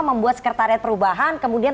membuat sekretariat perubahan kemudian